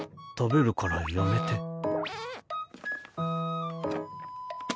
食べるからやめて。